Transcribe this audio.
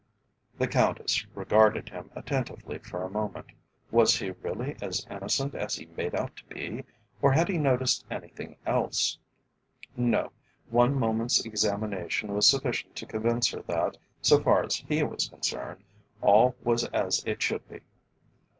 The Countess regarded him attentively for a moment. Was he really as innocent as he made out to be, or had he noticed anything else? No; one moment's examination was sufficient to convince her that, so far as he was concerned, all was as it should be.